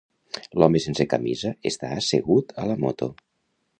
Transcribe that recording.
L'home sense camisa està assegut a la moto.